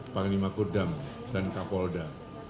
panglima kodam dan kapolda